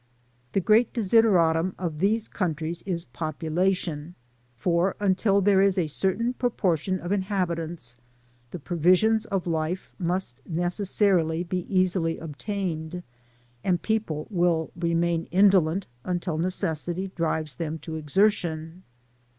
The ^eat desideratum of these countries is po^ pulation ; for until there is a certain proportion of inhabitants, the provisions of life must necessarily be easily obtained, and people will remain indolent, until necessity drives them to exertion.